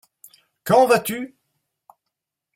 Quand vas-tu ?